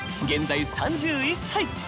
現在３１歳！